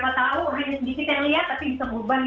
menurut aku itu juga asik